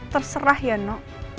terserah ya no